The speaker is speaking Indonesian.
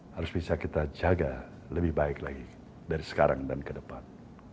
harus bisa kita jaga lebih baik lagi dari sekarang dan ke depan